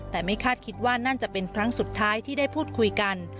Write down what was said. แต่ไม่คาดคิดว่านั่นจะเป็นครั้งสุดท้ายที่ได้พูดคุยกัน